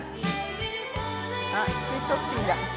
あ「スイートピー」だ。